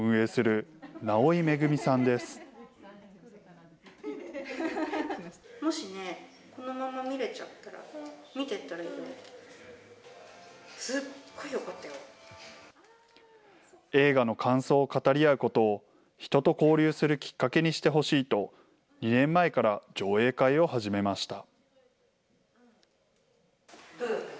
映画の感想を語り合うことを、人と交流するきっかけにしてほしいと、２年前から上映会を始めました。